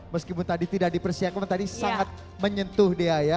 meskipun tadi tidak dipersiapkan tadi sangat menyentuh dea ya